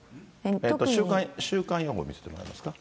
週間予報見せてもらえますか。